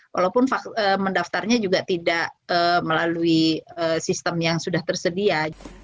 walaupun mendaftarnya juga tidak melalui sistem yang sudah tersedia